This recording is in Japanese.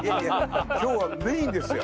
今日はメインですよ。